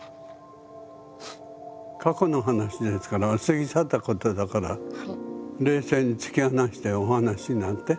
過去のお話ですから過ぎ去ったことだから冷静に突き放してお話しになって。